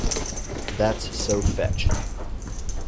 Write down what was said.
That’s so fetch!